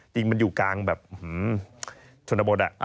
จริงมันอยู่กลางสนบท